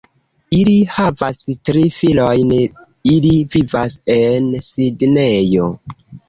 Ili havas tri filojn, ili vivas en Sidnejo.